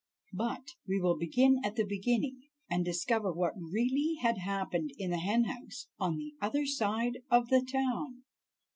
But we will begin at the beginning, and discover what really had happened in the hen house on the other side of the town.